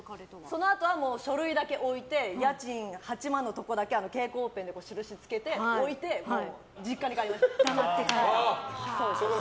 そのあとは書類だけ置いて家賃８万円のところだけ蛍光ペンで印をつけて置いて、実家に帰りました。